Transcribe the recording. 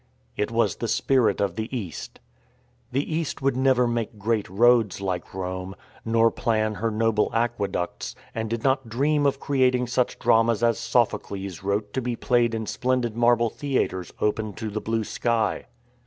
It was the Spirit of the East. The East would never make great roads like Rome, nor plan her noble aqueducts, and did not dream of creating such dramas as Sophocles wrote to be played in splendid marble theatres open to the blue sky.